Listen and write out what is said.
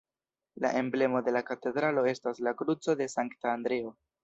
La emblemo de la katedralo estas la kruco de Sankta Andreo.